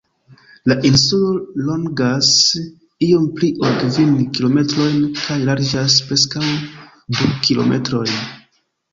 La insulo longas iom pli ol kvin kilometrojn kaj larĝas preskaŭ du kilometrojn.